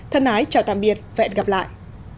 thân ái chào tạm biệt và hẹn gặp lại